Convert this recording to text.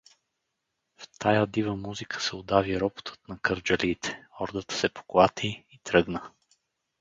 В тая дива музика се удави ропотът на кърджалиите, ордата се поклати и тръгна.